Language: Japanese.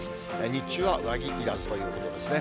日中は上着いらずということですね。